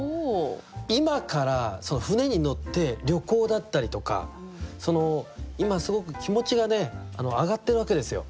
今から船に乗って旅行だったりとかその今すごく気持ちがね上がってるわけですよ。